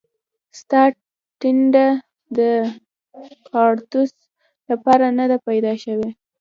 ستا ټنډه د کاړتوس لپاره نه ده پیدا شوې